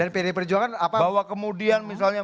dan pdi perjuangan bahwa kemudian misalnya